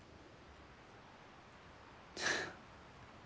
フッ。